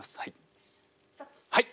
はい。